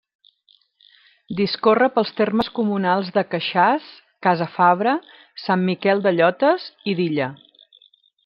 Discorre pels termes comunals de Queixàs, Casafabre, Sant Miquel de Llotes i d'Illa.